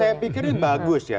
saya pikir ini bagus ya